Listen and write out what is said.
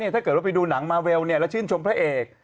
ถ้าเกิดว่าไปดูหนังมาเวลแล้วชื่นชมพระเอก